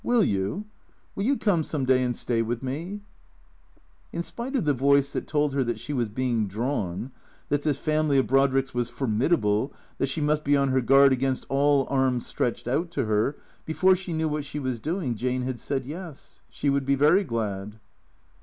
Will you ? Will you come some day and stay with me ?" In spite of the voice that told her that she was being drawn, that this family of Brodrick's was formidable, that she must be on her guard against all arms stretched out to her, before she THECREATOES 173 knew what she was doing Jane had said, Yes; she would be very glad.